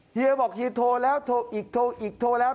เฮียบอกเฮียโทรแล้วโทรอีกโทรอีกโทรแล้ว